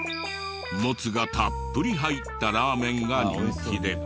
もつがたっぷり入ったラーメンが人気で。